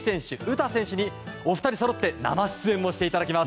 詩選手に、お二人そろって生出演もしていただきます。